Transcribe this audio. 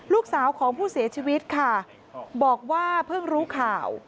ลูกสาวของผู้เสียชีวิตค่ะบอกว่าเพิ่งรู้ข่าว